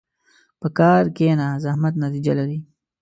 په کار کښېنه، زحمت نتیجه لري.